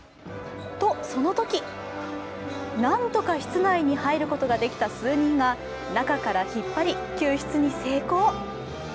と、そのとき、なんとか室内に入ることができた数人が中から引っ張り救出に成功。